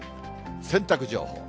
洗濯情報。